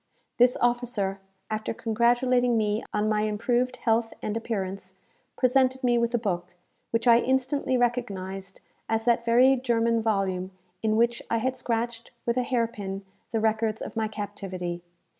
This officer, after congratulating me on my improved health and appearance, presented me with a book, which I instantly recognized as that very German volume in which I had scratched, with a hair pin, the records of my captivity.